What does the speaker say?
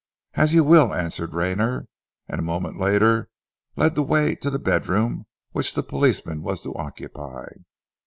"As you will," answered Rayner, and a moment later led the way to the bedroom which the policeman was to occupy.